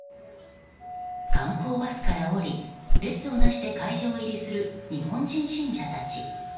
観光バスから降り列をなして会場入りする日本人信者たち。